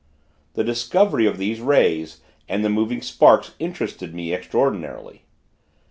The discovery of these rays, and the moving sparks, interested me, extraordinarily.